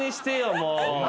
もう。